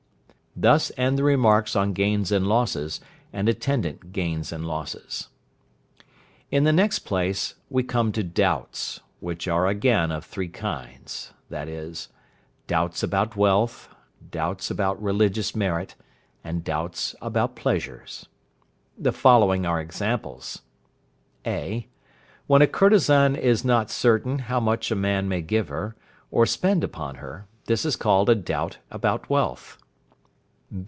Thus end the remarks on gains and losses, and attendant gains and losses. In the next place we come to doubts, which are again of three kinds, viz.: doubts about wealth, doubts about religious merit, and doubts about pleasures. The following are examples. (a). When a courtesan is not certain how much a man may give her, or spend upon her, this is called a doubt about wealth.